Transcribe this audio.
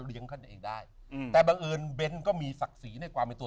เลี้ยงเขาเองได้แต่บังเอิญเบนก็มีศักดิ์ศรีในความเป็นตัว